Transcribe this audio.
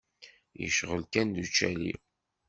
Yecɣel kan d ucali.